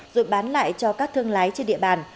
rồi bán lại cho các thương lái trên địa bàn